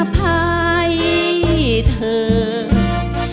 อภัยเถอะ